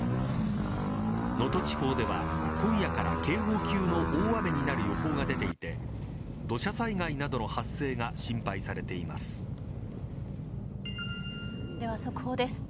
能登地方では今夜から警報級の大雨になる予報が出ていて土砂災害などの発生がでは速報です。